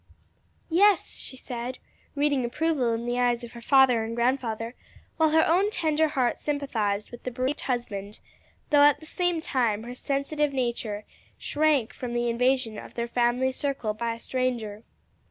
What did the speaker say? "Yes," she said, reading approval in the eyes of her father and grandfather, while her own tender heart sympathized with the bereaved husband, though at the same time her sensitive nature shrank from the invasion of their family circle by a stranger.